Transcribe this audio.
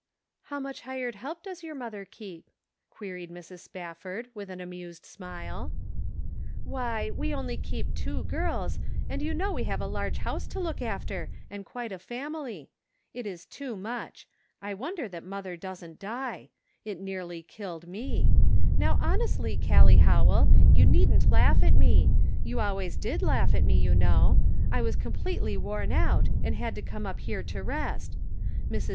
" How much hired help does your mother keep?" queried Mrs. Spafford, with an amused smile. " Why, we only keep two girls, and you know we have a large house to look after, and quite a family. It is too much; I wonder that mother doesn't die. It nearly killed me ; now honestly, Callie Ho well, you needn't laugh at me ; you always did laugh at me, you know ; I was completely worn out, and had to come up here to rest. Mrs.